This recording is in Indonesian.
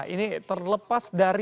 ini terlepas dari